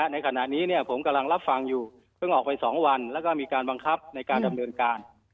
ในขณะนี้ผมกำลังรับฟังอยู่เพิ่งออกไป๒วันแล้วก็มีการบังคับในการดำเนินการ